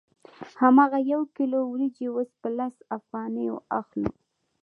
هماغه یو کیلو وریجې اوس په لس افغانۍ اخلو